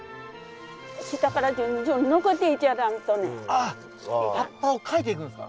あっ葉っぱをかいていくんですか？